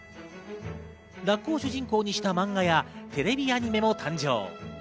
ラッコを主人公にした漫画やテレビアニメも誕生。